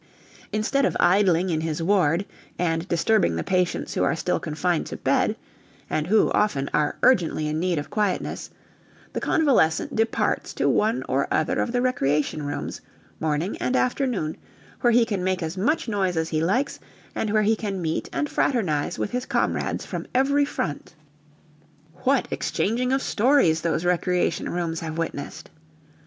Instead of idling in his ward and disturbing the patients who are still confined to bed and who, often, are urgently in need of quietness the convalescent departs to one or other of the recreation rooms, morning and afternoon, where he can make as much noise as he likes and where he can meet and fraternise with his comrades from every front. (What exchanging of stories those recreation rooms have witnessed!)